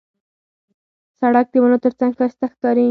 سړک د ونو ترڅنګ ښایسته ښکاري.